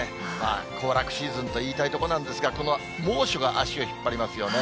行楽シーズンと言いたいとこなんですが、この猛暑が足を引っ張りますよね。